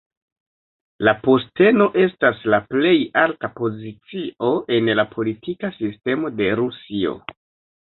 La posteno estas la plej alta pozicio en la politika sistemo de Rusio.